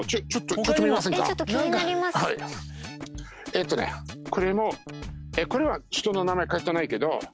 えっとねこれもこれは人の名前書いてないけど。